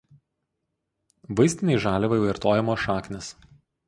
Vaistinei žaliavai vartojamos šaknys.